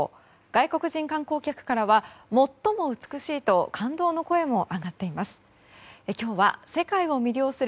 外国人観光客からは最も美しいと感動の声も上がっています。